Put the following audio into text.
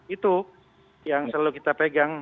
itu yang selalu kita pegang